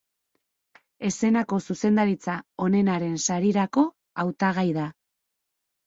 Eszenako zuzendaritza onenaren sarirako hautagai da.